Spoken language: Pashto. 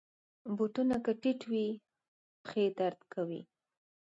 بوټونه که ټیټ وي، پښې درد کوي.